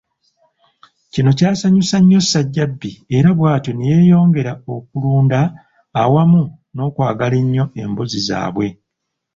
Kino kyasanyusa nnyo Ssajjabbi era bwatyo ne yeeyongera okulunda awamu n’okwagala ennyo embuzi zaabwe.